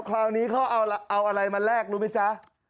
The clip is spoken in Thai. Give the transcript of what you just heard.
คราวนี้เขาเอาอะไรมาแลกรู้ไหมจ๊ะ